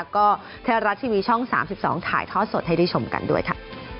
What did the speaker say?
ก็ไทยรัฐทีวีช่อง๓๒ถ่ายทอดสดให้ได้ชมกันด้วยค่ะ